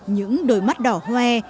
những đôi mắt đỏ hoe